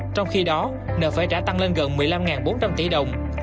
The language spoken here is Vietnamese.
trong khi đó nợ phải trả tăng lên gần một mươi năm bốn trăm linh tỷ đồng